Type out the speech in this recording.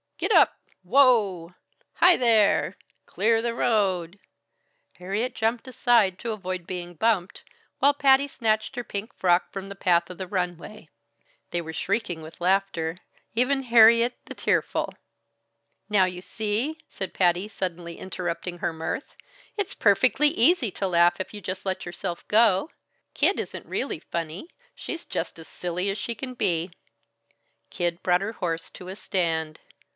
"Get up! Whoa! Hi, there! Clear the road." Harriet jumped aside to avoid being bumped, while Patty snatched her pink frock from the path of the runaway. They were shrieking with laughter, even Harriet, the tearful. "Now you see!" said Patty, suddenly interrupting her mirth. "It's perfectly easy to laugh if you just let yourself go. Kid isn't really funny. She's just as silly as she can be." Kid brought her horse to a stand.